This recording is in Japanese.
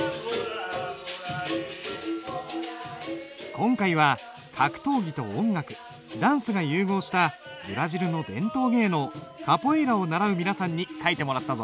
今回は格闘技と音楽ダンスが融合したブラジルの伝統芸能カポエイラを習う皆さんに書いてもらったぞ。